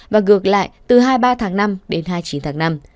và ngược lại từ hai mươi ba tháng năm đến hai mươi chín tháng năm